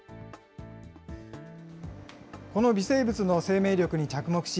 この微生物の生命力に着目し、